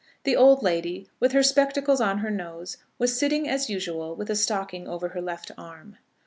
The old lady, with her spectacles on her nose, was sitting as usual with a stocking over her left arm.